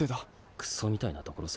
クソみたいなところさ。